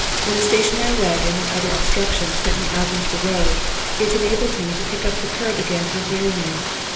When a stationary wagon or other obstruction sent me out into the road, it enabled me to pick up the curb again unerringly.